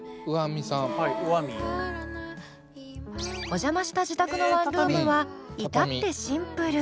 お邪魔した自宅のワンルームはいたってシンプル。